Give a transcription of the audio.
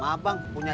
wah saya pernah punya